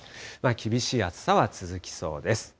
厳しい暑さは続きそうです。